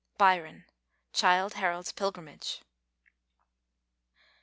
Byron: "Childe Harold's Pilgrimage."